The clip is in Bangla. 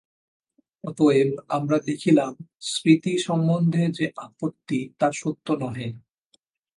অতএব আমরা দেখিলাম, স্মৃতি সম্বন্ধে যে আপত্তি, তাহা সত্য নহে।